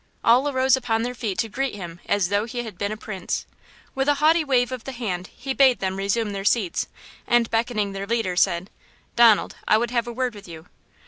All arose upon their feet to greet him as though he had been a prince. With a haughty wave of the hand, he bade them resume their seats, and beckoning their leader, said: "Donald, I would have a word with you!"